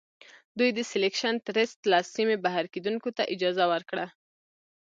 دوی د سیلکشن ټرست له سیمې بهر کیندونکو ته اجازه ورکړه.